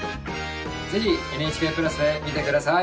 是非「ＮＨＫプラス」で見て下さい。